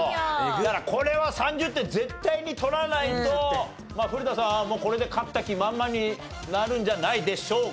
だからこれは３０点絶対に取らないと古田さんはこれで勝った気満々になるんじゃないでしょうか。